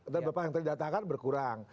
dan beberapa yang terdatakan berkurang